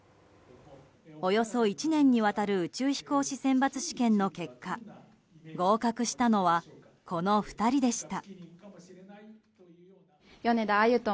およそ１年にわたる宇宙飛行士選抜試験の結果合格したのは、この２人でした。